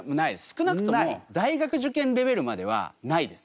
少なくとも大学受験レベルまではないです。